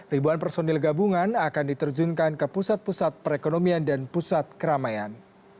ribuan personil gabungan akan diterjunkan ke pusat pusat perekonomian dan pusat keramaian